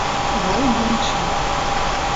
Волгенчат